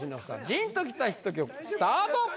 ジーンときたヒット曲スタート！